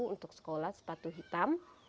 untuk sekolah sepatu hitam